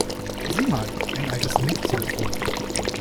Sieh mal, ein altes Münztelefon!